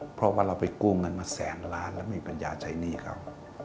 เพราะว่าเราไปกู้เงินมาแสนล้านแล้วมีปัญญาใช้หนี้เขา